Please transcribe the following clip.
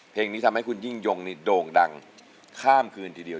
เพลงนี้ทำให้คุณยิ่งยงนี่โด่งดังข้ามคืนทีเดียว